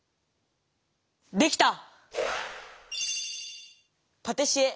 できた！